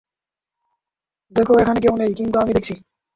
দেখো এখানে কেউ নেই, - কিন্তু আমি দেখেছি।